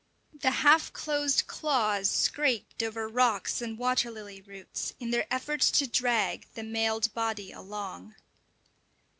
The half closed claws scraped over rocks and water lily roots in their efforts to drag the mailed body along.